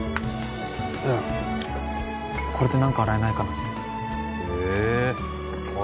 いやこれで何か洗えないかなってへえ頭